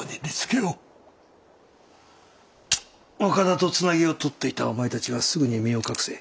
岡田とつなぎをとっていたお前たちはすぐに身を隠せ。